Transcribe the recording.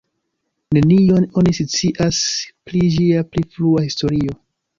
Nenion oni scias pri ĝia pli frua historio.